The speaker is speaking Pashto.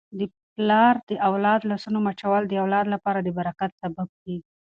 د پلار د لاسونو مچول د اولاد لپاره د برکت سبب کیږي.